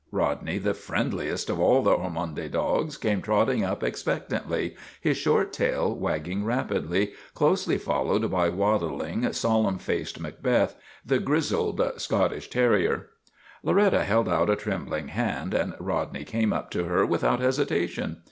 Rodney, the friendliest of all the Ormonde dogs, came trotting up expectantly, his short tail wagging rapidly, closely followed by waddling, solemn faced Macbeth, the grizzled Scot tish terrier. Loretta held out a trembling hand and Rodney came up to her without hesitation.